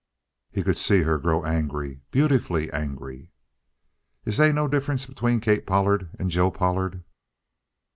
He could see her grow angry, beautifully angry. "Is they no difference between Kate Pollard and Joe Pollard?"